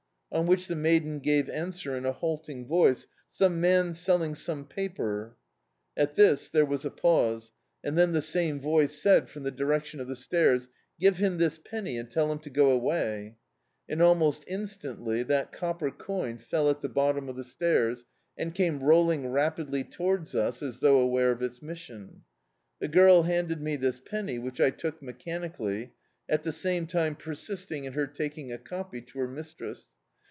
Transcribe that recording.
On which the maiden gave answer in a halting voice — "Some man selling some paper." At this there was a pause, and then the same voice said, from the direction of [jo8] D,i.,.db, Google London the stairs — "Give him this penny, and tell him to go away," and, almost instantly, that copper ccun fell at the bottom of the stairs, and came rolling rapidly towards us, as thou^ aware of its missi(xi. The girl handed me this penny, which I took me* chanically, at the same time persisting in her taking a copy to her mistress.